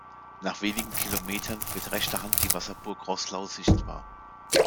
Nach wenigen Kilometern wird rechter Hand die Wasserburg Roßlau sichtbar.